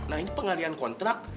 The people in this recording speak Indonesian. nah ini pengalian kontrak